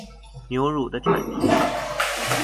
牛乳的產值